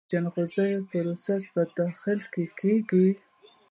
د جلغوزیو پروسس په داخل کې کیږي؟